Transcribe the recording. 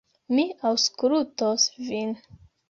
Mi aŭskultos vin.